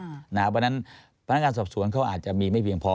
เพราะฉะนั้นพนักงานสอบสวนเขาอาจจะมีไม่เพียงพอ